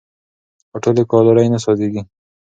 خو ټولې کالورۍ نه سوځېږي.